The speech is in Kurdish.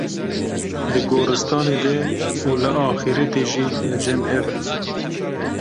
di gorîstanê de û li axîretê jî li cem hev in.